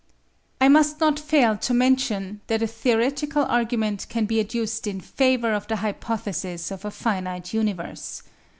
I must not fail to mention that a theoretical argument can be adduced in favour of the hypothesis of a finite universe.